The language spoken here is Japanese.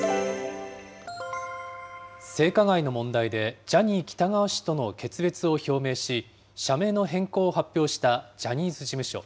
性加害の問題でジャニー喜多川氏との決別を表明し、社名の変更を発表したジャニーズ事務所。